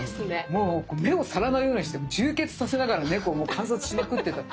もう目を皿のようにして充血させながら猫を観察しまくってた。